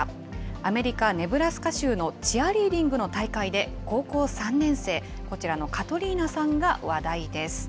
アメリカ・ネブラスカ州のチアリーディングの大会で、高校３年生、こちらのカトリーナさんが話題です。